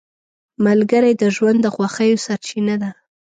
ملګری د ژوند د خوښیو سرچینه ده